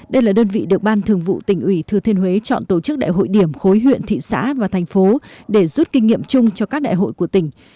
đây là đơn vị được ban thường vụ tỉnh ủy thừa thiên huế chọn tổ chức đại hội điểm khối huyện thị xã và thành phố để rút kinh nghiệm chung cho các đại hội của tỉnh